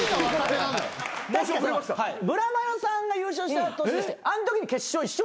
ブラマヨさんが優勝した年あんときに決勝一緒に出てる。